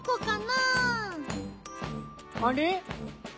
あれ？